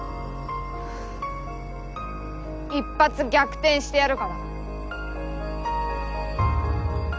一発逆転してやるから。